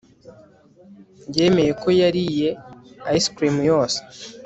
yemeye ko yariye ice cream yose